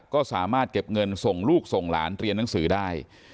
ก็สามารถเก็บเงินส่งลูกส่งหลานเรียนหนังสือได้